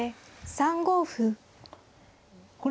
３五歩。